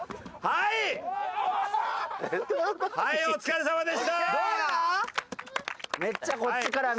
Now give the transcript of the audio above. はいお疲れさまでした。